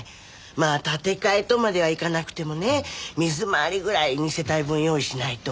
まあ建て替えとまではいかなくてもね水回りぐらい二世帯分用意しないと。